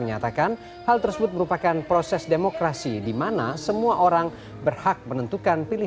setiap pemilu pasti masing masing punya hak menentukan